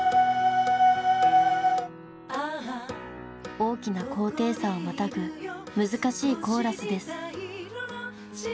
大きな高低差をまたぐ難しいコーラスです。